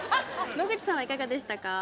野口さんはいかがでしたか？